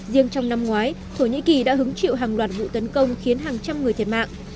riêng trong năm ngoái thổ nhĩ kỳ đã hứng chịu hàng loạt vụ tấn công khiến hàng trăm người thiệt mạng